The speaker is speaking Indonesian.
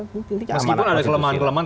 meskipun ada kelemahan kelemahan